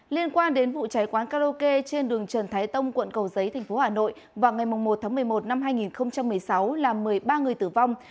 liên quan đến vụ cháy quán karaoke trên đường trần thái tông quận cầu giấy tp hcm vào ngày một một mươi một hai nghìn một mươi sáu là một mươi ba người tử vong